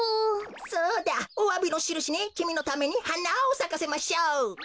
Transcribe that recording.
そうだおわびのしるしにきみのためにはなをさかせましょう。